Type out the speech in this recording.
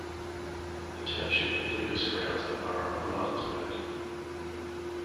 The township completely surrounds the borough of Martinsburg.